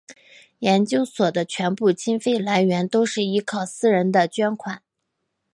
研究所的全部经费来源都是依靠私人的捐款。